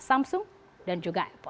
samsung dan juga apple